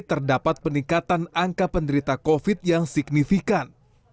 terdapat peningkatan angka penderita covid yang signifikan